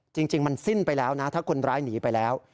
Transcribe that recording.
จริงมันสิ้นไปแล้วนะถ้าคนร้ายหนีไปแล้ว